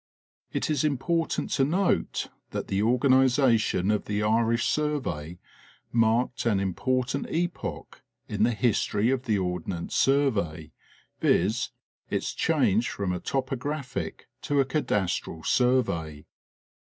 It is important to note that the organization of the Irish survey marked an important epoch in the history of the Ordnance Sur vey, viz: its change from a topographic to a cadastral survey.